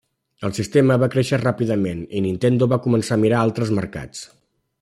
El sistema va créixer ràpidament, i Nintendo va començar a mirar altres mercats.